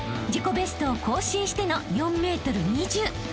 ［自己ベストを更新しての４ｍ２０］